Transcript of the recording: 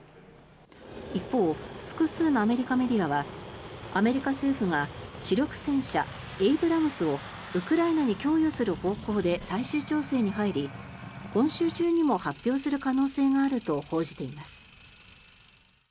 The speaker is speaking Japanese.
一方、複数のアメリカメディアはアメリカ政府が主力戦車エイブラムスをウクライナに供与する方向で最終調整に入り今週中にも発表する可能性があると報じています。